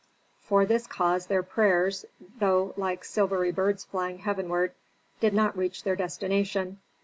For this cause their prayers, though like silvery birds flying heavenward, did not reach their destination.